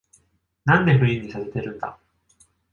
なんでフリーにさせてるんだ